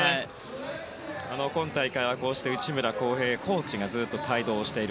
今大会は内村航平コーチがずっと帯同している。